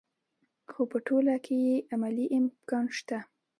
خو په ټوله کې یې عملي امکان شته.